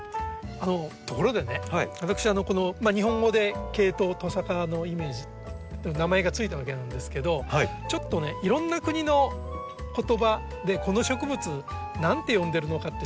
ところでね私日本語で「ケイトウ」トサカのイメージって名前が付いたわけなんですけどちょっとねいろんな国の言葉でこの植物何て呼んでるのかってちょっと調べてみたんです。